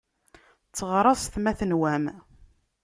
Tteɣraṣet ma tenwam.